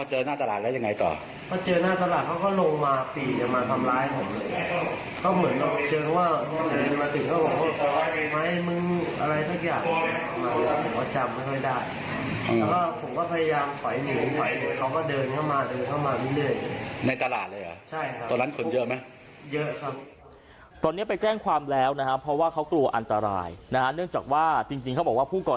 เหมือนไม่รู้จักกันมากกู